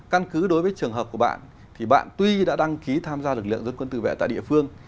căn cứ đối với trường hợp của bạn thì bạn tuy đã đăng ký tham gia lực lượng dân quân tự vệ tại địa phương